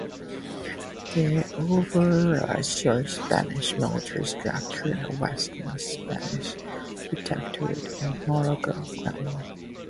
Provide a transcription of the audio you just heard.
The overextended Spanish military structure in the Western Spanish Protectorate in Morocco crumbled.